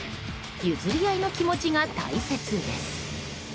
譲り合いの気持ちが大切です。